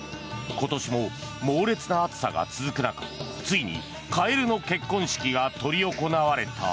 今年も猛烈な暑さが続く中ついにカエルの結婚式が執り行われた。